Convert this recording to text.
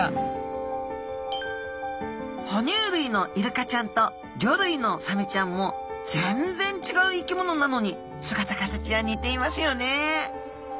ほにゅう類のイルカちゃんと魚類のサメちゃんも全然違う生き物なのに姿形は似ていますよね。